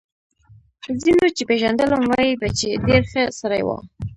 ځینو چې پېژندلم وايي به چې ډېر ښه سړی و